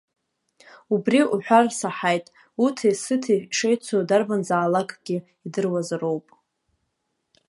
Убри уҳәар саҳаит, уҭи-сыҭи шеицу дарбанзаалакгьы идыруазароуп.